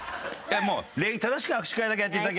もう礼儀正しく握手会だけやっていただければ。